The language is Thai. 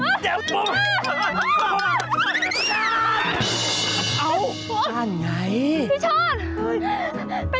พี่ชันเป็นอะไรบ้างเนี่ยพี่